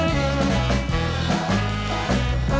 รับทราบ